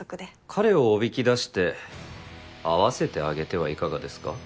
彼をおびき出して会わせてあげてはいかがですか？